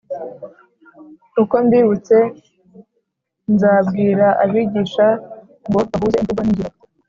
uko mbibutse nzabwira abigisha ngo bahuze imvugo n'ingiro,